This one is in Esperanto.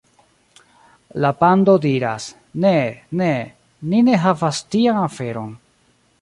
La pando diras: "Ne, ne. Ni ne havas tian aferon."